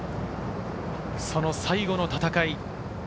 その最後の戦い。